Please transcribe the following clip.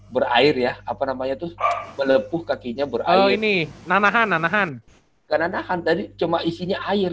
berair ya apa namanya itu melepuh kakinya beralih ini nanahan nanahan karena nahan tadi cuma isinya air